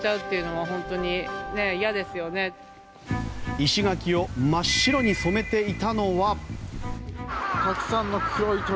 石垣を真っ白に染めていたのは。